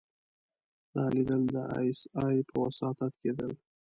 دا ليدل د ای اس ای په وساطت کېدل.